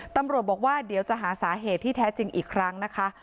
ตำรวจบอกว่าเดี๋ยวจะหาสาเหตุที่แท้จริงอีกครั้งนะคะ